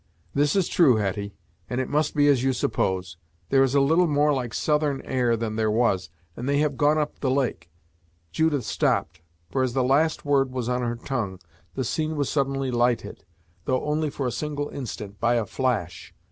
"This is true, Hetty, and it must be as you suppose. There is a little more southern air than there was, and they have gone up the lake " Judith stopped, for, as the last word was on her tongue, the scene was suddenly lighted, though only for a single instant, by a flash.